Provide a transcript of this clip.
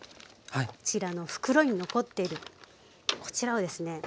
こちらの袋に残っているこちらをですね